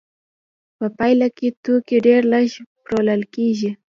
په پایله کې توکي ډېر لږ پلورل کېږي